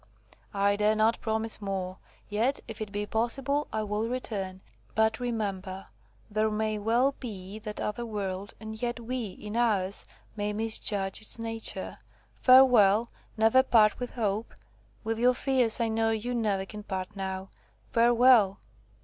I dare not promise more. Yet if it be possible, I will return. But, remember, there may well be that other world, and yet we, in ours, may misjudge its nature. Farewell, never part with hope. With your fears I know you never can part now. Farewell!"